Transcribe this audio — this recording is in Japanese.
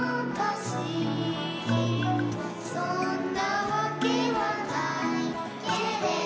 「そんなわけはないけれど」